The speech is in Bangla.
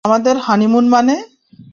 আমাদের হানিমুন মানে?